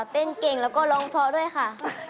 เต้นเก่งแล้วก็ร้องเพราะด้วยค่ะ